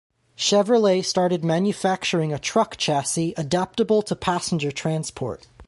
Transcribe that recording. Chevrolet started manufacturing a truck chassis adaptable to passenger transport.